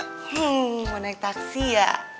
hmm mau naik taksi ya